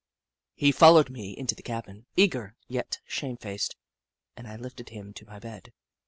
He followed me into the cabin, eager, yet shamefaced, and I lifted him to my bed.